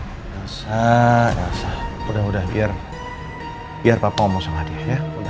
elsa elsa udah udah biar papa ngomong sama dia ya udah lomba